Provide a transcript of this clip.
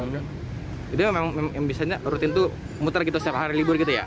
jadi emang yang biasanya rutin itu muter gitu setiap hari libur gitu ya